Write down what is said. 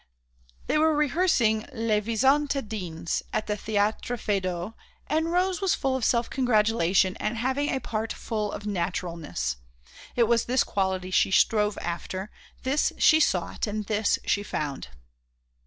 They were rehearsing Les Visitandines at the Théâtre Feydeau, and Rose was full of self congratulation at having a part full of "naturalness." It was this quality she strove after, this she sought and this she found.